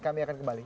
kami akan kembali